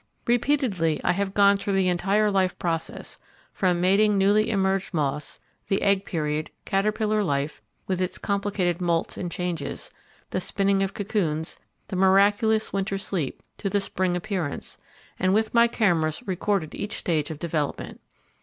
Repeatedly, I have gone through the entire life process, from mating newly emerged moths, the egg period, caterpillar life, with its complicated moults and changes, the spinning of the cocoons, the miraculous winter sleep, to the spring appearance; and with my cameras recorded each stage of development.